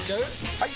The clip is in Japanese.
・はい！